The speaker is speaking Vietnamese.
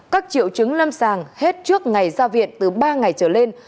các triệu chứng lâm sàng hết trước ngày ra viện từ ba ngày trở lên